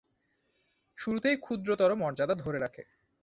শুরুতেই ক্ষুদ্রতর মর্যাদা ধরে রাখে।